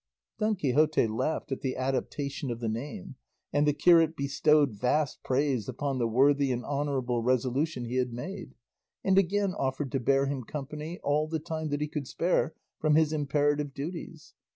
Don Quixote laughed at the adaptation of the name, and the curate bestowed vast praise upon the worthy and honourable resolution he had made, and again offered to bear him company all the time that he could spare from his imperative duties.